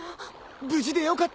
無事でよかった。